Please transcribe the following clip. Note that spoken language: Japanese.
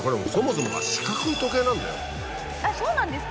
そうなんですか？